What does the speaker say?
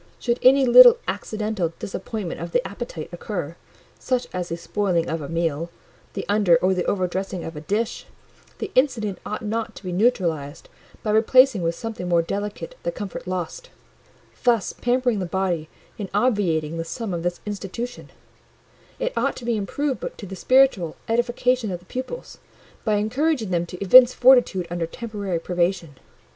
Should any little accidental disappointment of the appetite occur, such as the spoiling of a meal, the under or the over dressing of a dish, the incident ought not to be neutralised by replacing with something more delicate the comfort lost, thus pampering the body and obviating the aim of this institution; it ought to be improved to the spiritual edification of the pupils, by encouraging them to evince fortitude under the temporary privation.